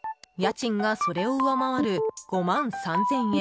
家賃がそれを上回る５万３０００円。